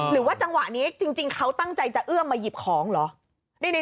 หรือว่าจังหวะนี้จริงเขาตั้งใจจะเอื้อมมาหยิบของเหรอ